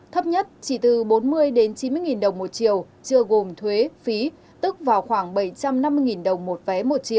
thấp nhất chỉ từ bốn mươi chín mươi đồng một chiều chưa gồm thuế phí tức vào khoảng bảy trăm năm mươi đồng một vé